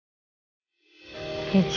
saya keluar dulu